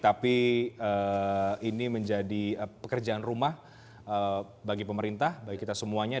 tapi ini menjadi pekerjaan rumah bagi pemerintah bagi kita semuanya